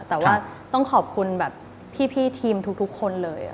แต่ว่าต้องขอบคุณแบบพี่ทีมทุกคนเลย